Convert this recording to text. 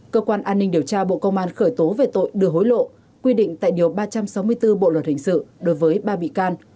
cơ quan an ninh điều tra bộ công an khởi tố về tội đưa hối lộ quy định tại điều ba trăm sáu mươi bốn bộ luật hình sự đối với ba bị can